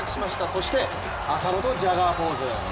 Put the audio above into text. そして、浅野とジャガーポーズ。